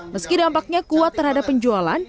meski dampaknya kuat terhadap penjualan